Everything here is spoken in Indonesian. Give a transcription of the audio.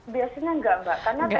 biasanya tidak mbak